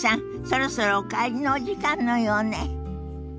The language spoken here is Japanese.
そろそろお帰りのお時間のようね。